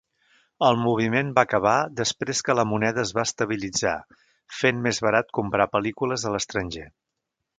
El moviment va acabar després que la moneda es va estabilitzar, fent més barat comprar pel·lícules a l'estranger.